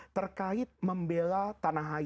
terkait membela tanah air